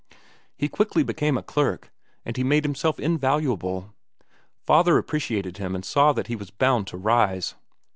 He quickly became a clerk, and he made himself invaluable. Father appreciated him and saw that he was bound to rise.